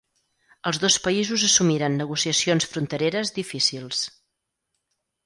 Els dos països assumiren negociacions frontereres difícils.